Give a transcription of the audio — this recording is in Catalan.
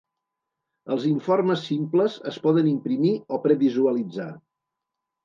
Els informes simples es poden imprimir o previsualitzar.